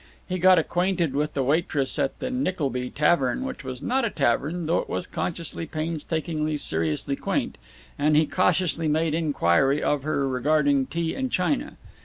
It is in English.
He got acquainted with the waitress at the Nickleby Tavern, which was not a tavern, though it was consciously, painstakingly, seriously quaint; and he cautiously made inquiry of her regarding tea and china.